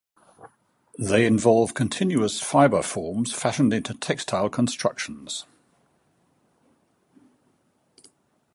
They involve continuous fibre forms fashioned into textile constructions.